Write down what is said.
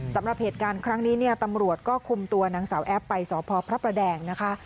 สำหรับเหตุการณ์ครั้งนี้เนี่ยตำรวจก็คุมตัวนางสาวแอปไปสพพระประแดงนะคะ